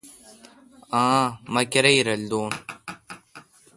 آں ۔۔۔مہ کیرای رل دون